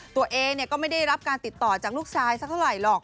ตัวเองก็ไม่ได้รับการติดต่อจากลูกชายสักเท่าไหร่หรอก